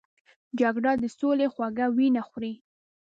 جګړه د سولې خوږه وینه خوري